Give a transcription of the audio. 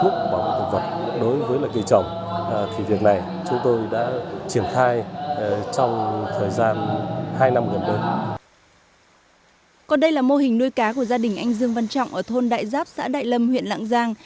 còn đây là mô hình nuôi cá của gia đình anh dương văn trọng ở thôn đại giáp xã đại lâm huyện lạng giang